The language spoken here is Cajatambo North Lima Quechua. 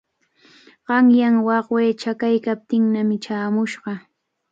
Qanyan wawqii chakaykaptinnami chaamushqa.